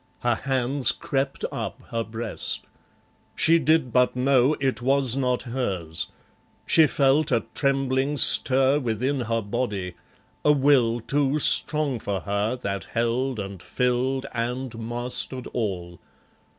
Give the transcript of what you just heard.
Her hands crept up her breast. She did but know It was not hers. She felt a trembling stir Within her body, a will too strong for her That held and filled and mastered all.